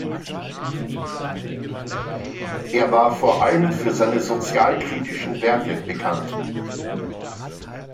Er war vor allem für seine sozialkritischen Werke bekannt.